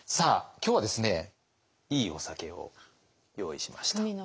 今日はですねいいお酒を用意しました。